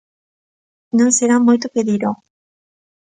Non será moito pedir, ¡oh!